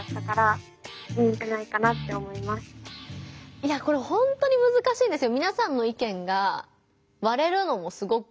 いやこれほんとにむずかしいんですよ。